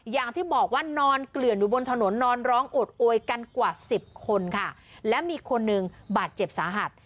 อย่างที่บอกว่านอนเกลื่อนอยู่บนถนนนอนร้องโอดโอยกันกว่าสิบคนค่ะและมีคนหนึ่งบาดเจ็บสาหัส